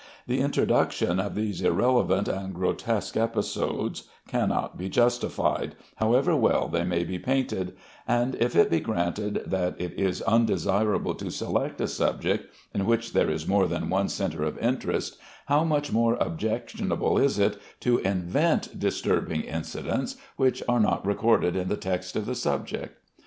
The introduction of these irrelevant and grotesque episodes cannot be justified, however well they may be painted; and if it be granted that it is undesirable to select a subject in which there is more than one centre of interest, how much more objectionable is it to invent disturbing incidents which are not recorded in the text of the subject.